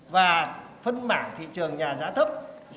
và phân mảng thị trường nhà giá thấp